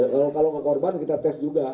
kalau ke korban kita tes juga